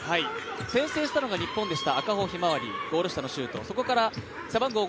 先制したのが日本でした。